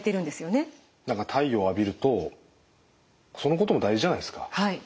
太陽浴びるとそのことも大事じゃないですか。